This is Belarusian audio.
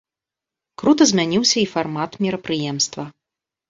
Крута змяніўся і фармат мерапрыемства.